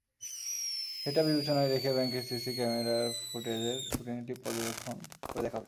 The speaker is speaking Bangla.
সেটা বিবেচনায় রেখে ব্যাংকের সিসি ক্যামেরার ফুটেজের খুঁটিনাটি পর্যবেক্ষণ করে দেখা হবে।